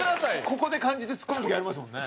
ここで感じてツッコむ時ありますもんね。